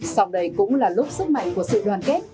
sau đây cũng là lúc sức mạnh của sự đoàn kết